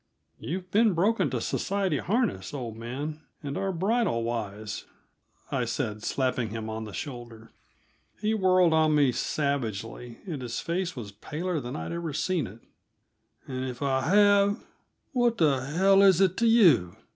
"You've been broken to society harness, old man, and are bridle wise," I said, slapping him on the shoulder. He whirled on me savagely, and his face was paler than I'd ever seen it. "And if I have what the hell is it to you?"